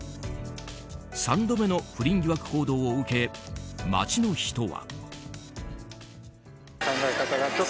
３度目の不倫疑惑報道を受け街の人は。